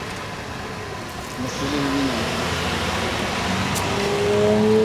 Nasuze bubi naye nga ndowooza kusanga ssenga yekka.